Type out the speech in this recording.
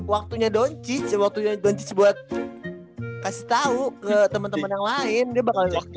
waktunya don t chit chatnya buat kasih tahu ke teman teman yang lain dia bakal